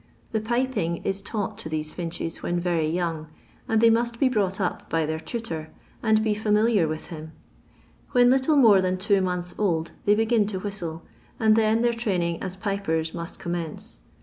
The piping is taoght to these finches when very young, and they most be brought up by their tutor, and be familiar with him. When little more than two months eld, they begin to whistle, and then their training as pipers must commence.